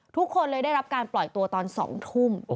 ทุกคนเลยได้รับการปล่อยตัวตอน๒ทุ่ม